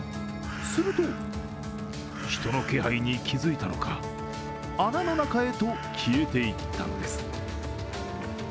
すると、人の気配に気づいたのか、穴の中へと消えていったのです。